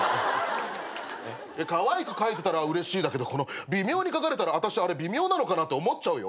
かわいく描いてたらうれしいだけど微妙に描かれたらあたし微妙なのかなって思っちゃうよ。